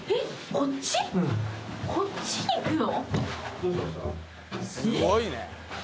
こっちに行くの？